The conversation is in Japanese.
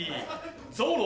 ゾロ！